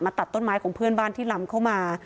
ตัดต้นไม้ของเพื่อนบ้านที่ลำเข้ามา